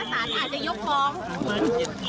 ขอให้ลักษณ์ไปขอให้ลักษณ์ไป